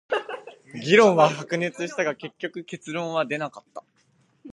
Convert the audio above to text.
議論は白熱したが、結局結論は出なかった。